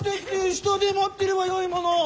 下で待ってればよいものを！